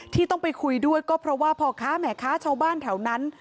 ที่ต้องไปคุยด้วยก็เพราะว่าพ่อค้าแม่ค้าชาวบ้านแถวนั้น